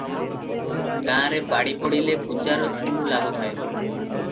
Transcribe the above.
ଗାଁରେ ବାଡ଼ିପଡିଲେ ପୂଜାର ଧୂମ୍ ଲାଗୁଥାଏ ।